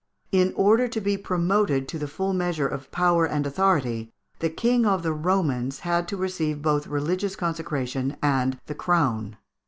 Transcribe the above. In order to be promoted to the full measure of power and authority, the King of the Romans had to receive both religions consecration and the crown.